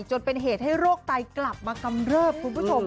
จนเป็นเหตุให้โรคไตกลับมากำเริบคุณผู้ชม